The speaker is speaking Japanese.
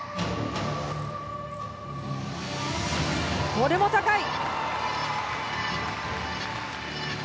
これも高い！